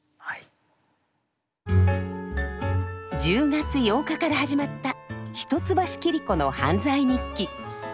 １０月８日から始まった「一橋桐子の犯罪日記」。